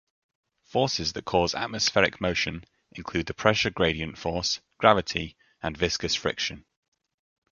Forces that cause atmospheric motion include the pressure gradient force, gravity, and viscous friction.